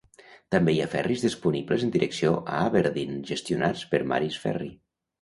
També hi ha ferris disponibles en direcció a Aberdeen gestionats per Maris Ferry.